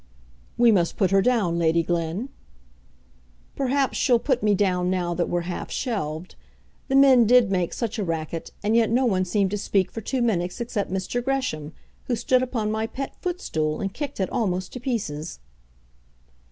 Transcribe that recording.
"We must put her down, Lady Glen." "Perhaps she'll put me down now that we're half shelved. The men did make such a racket, and yet no one seemed to speak for two minutes except Mr. Gresham, who stood upon my pet footstool, and kicked it almost to pieces."